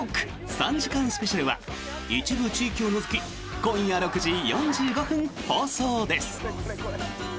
３時間スペシャルは一部地域を除き今夜６時４５分放送です。